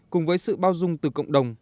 cùng với sự bao dung từ cộng đồng